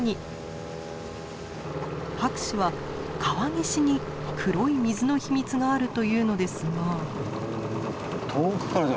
博士は川岸に黒い水の秘密があるというのですが。